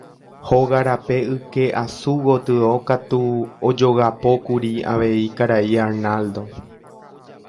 Hóga rape yke asu gotyo katu ojogapókuri avei karai Arnaldo.